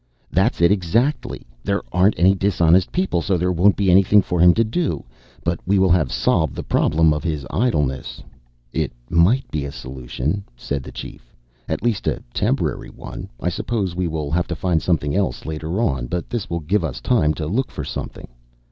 "That's it, exactly. There aren't any dishonest people, so there won't be anything for him to do. But we will have solved the problem of his idleness." "It might be a solution," said the Chief. "At least, a temporary one. I suppose we will have to find something else later on. But this will give us time to look for something."